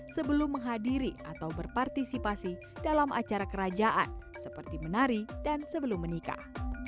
sebelum menghadiri atau berpartisipasi dalam acara kerajaan seperti menari dan sebelum menikah